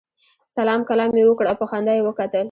سلام کلام یې وکړ او په خندا یې وکتل.